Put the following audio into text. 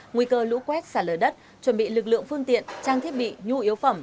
nguy cơ lũ quét xả lở đất chuẩn bị lực lượng phương tiện trang thiết bị nhu yếu phẩm